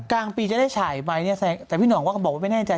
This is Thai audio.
กลางปีจะได้ฉายไหมเนี่ยแต่พี่ห่องว่าก็บอกว่าไม่แน่ใจ